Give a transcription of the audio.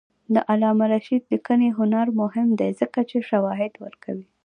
د علامه رشاد لیکنی هنر مهم دی ځکه چې شواهد ورکوي.